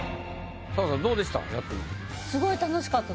⁉砂羽さんどうでした？